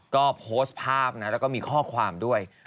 ก็โพสต์ภาพนะแล้วก็มีข้อความด้วย